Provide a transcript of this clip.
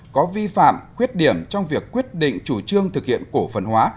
có vi phạm khuyết điểm trong việc quyết định chủ trương thực hiện cổ phần hóa